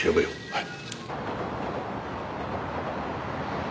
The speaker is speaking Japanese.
はい。